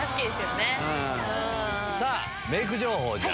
さあ、メーク情報をじゃあ。